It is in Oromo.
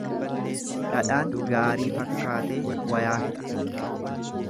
Dhadhaan gaarii fakkaatee wayaa fixa.